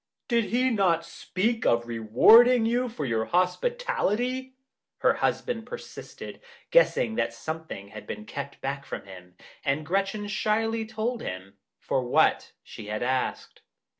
'Did he not speak of rewarding you for your hospitality?' her husband persisted, guessing that something had been kept back from him. And Gretchen shyly told him for what she had asked.